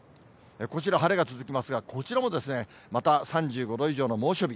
こちら晴れが続きますが、こちらも、また３５度以上の猛暑日。